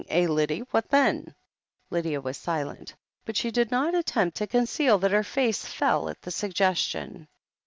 Eh, Lyddie, what then ?" Lydia was silent, but she did not attempt to conceal that her face fell at the suggestion.